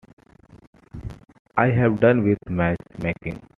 I have done with match-making.